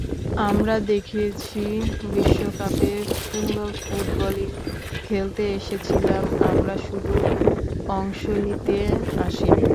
আমরা দেখিয়েছি বিশ্বকাপে সুন্দর ফুটবলই খেলতে এসেছিলাম আমরা, শুধু অংশ নিতে আসিনি।